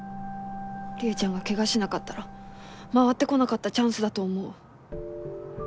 りえちゃんが怪我しなかったら回ってこなかったチャンスだと思う。